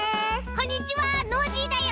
こんにちはノージーだよ。